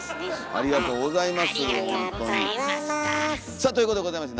ありがとうございます。